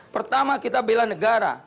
pertama kita bela negara